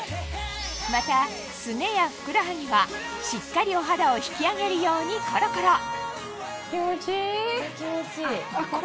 またスネやふくらはぎはしっかりお肌を引き上げるようにコロコロこれ気持ちいい。